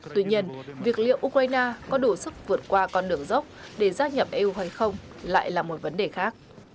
tuy nhiên việc liệu ukraine có đủ sức vượt qua con đường dốc để gia nhập eu hay không lại là một vấn đề khác